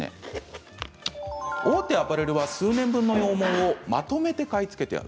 大手アパレルは数年分の羊毛をまとめて買い付けてある。